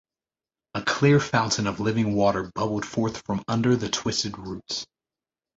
A clear fountain of living water bubbled forth from under the twisted roots.